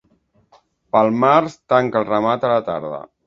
Pel març tanca el ramat a la tarda.